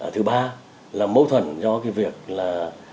thứ ba là mâu thuẫn do cái việc là